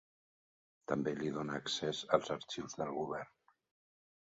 També li donà accés als arxius del govern.